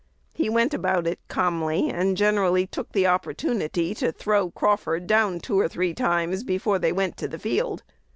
He went about it "calmly," and generally took the opportunity to throw "Crawford" down two or three times "before they went to the field."